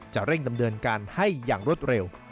เร่งดำเนินการให้อย่างรวดเร็ว